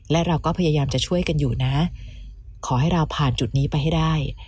และเราก็พยายามจะช่วยกันอยู่นะขอให้เราผ่านจุดนี้ไปให้ได้